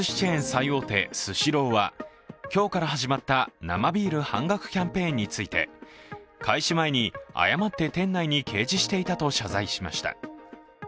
最大手・スシローは、今日から始まった生ビール半額キャンペーンについて開始前に誤って店内に掲示していたと謝罪しました。